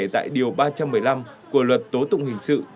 tại điều ba trăm một mươi năm của luật tố tụng hình sự